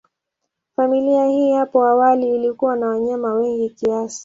Familia hii hapo awali ilikuwa na wanyama wengi kiasi.